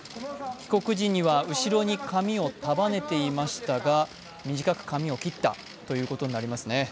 帰国時には後ろに髪を束ねていましたが、短く髪を切ったということになりますね。